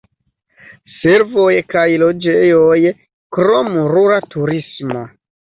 Servoj kaj loĝejoj, krom rura turismo.